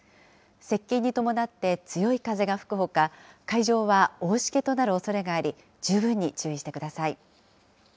接近に伴って強い風が吹くほか、海上は大しけとなるおそれがあり、十分に注意してください。